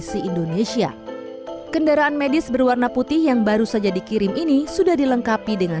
di indonesia kendaraan medis berwarna putih yang baru saja dikirim ini sudah dilengkapi dengan